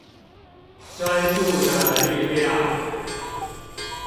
專注的力量